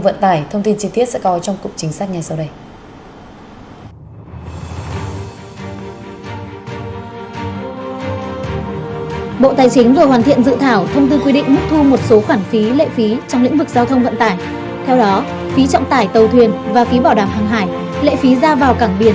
giao thông vận tải thông tin chi tiết sẽ có trong cục chính sách ngay sau đây